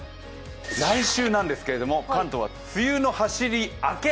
来週なんですけれども関東は梅雨のはしり明け。